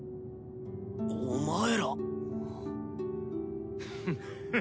お前ら。